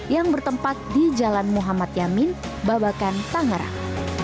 yang bertempat di jalan muhammad yamin babakan tangerang